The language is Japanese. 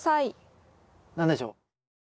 何でしょう？